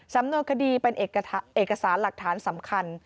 สำนวนคดีเป็นเอกสารหลักฐานสำคัญ